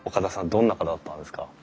どんな方だったんですか？